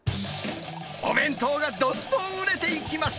お弁当がどんどん売れていきます。